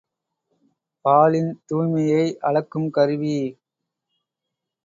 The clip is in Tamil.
பாலின் துய்மையை அளக்கும் கருவி.